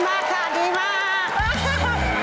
ขอบคุณมากค่ะดีมาก